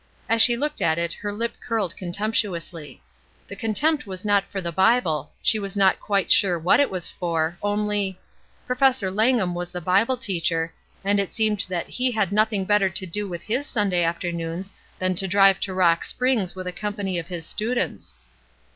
As she looked at it her lip curled contemptuously. The contempt was not for the Bible — she was not quite sure what it was for ; only — Professor Langham was the Bible teacher, and it seemed that he had nothing better to do with his Sunday afternoons than to drive to Rock Springs with a company of his students.